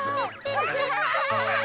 アハハハ。